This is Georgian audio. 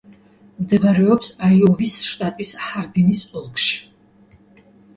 მდებარეობს აიოვის შტატის ჰარდინის ოლქში.